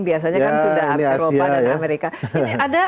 biasanya kan sudah amerika dan eropa